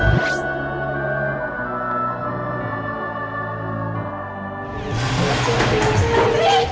asli aku mau balik